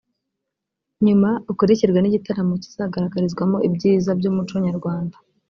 nyuma ukurikirwe n’igitaramo kizagaragarizwamo ibyiza by’umuco nyarwanda